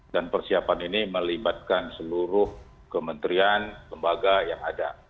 dan persiapan ini melibatkan seluruh kementerian lembaga yang ada